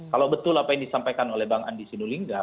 kalau betul apa yang disampaikan oleh bang andi sinulinga